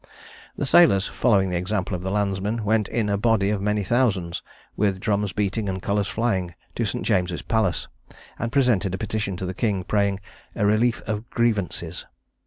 The sailors, following the example of the landsmen, went in a body of many thousands, with drums beating and colours flying, to St. James's Palace, and presented a petition to the king, praying a "Relief of Grievances."